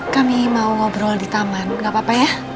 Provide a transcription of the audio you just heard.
kami mau ngobrol di taman gak apa apa ya